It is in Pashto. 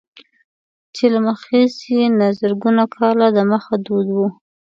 چې له مخزېږدي نه زرګونه کاله دمخه دود و.